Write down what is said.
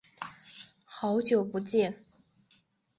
好久不见。